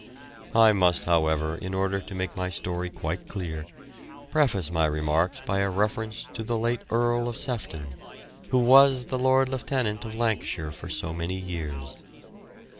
I must, however, in order to make my story quite clear, preface my remarks by a reference to the late Earl of Sefton, who was the Lord Lieutenant of Lancashire for so many years.